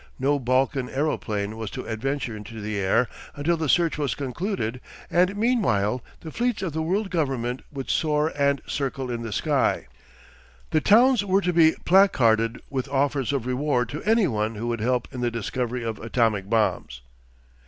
No Balkan aeroplane was to adventure into the air until the search was concluded, and meanwhile the fleets of the world government would soar and circle in the sky. The towns were to be placarded with offers of reward to any one who would help in the discovery of atomic bombs....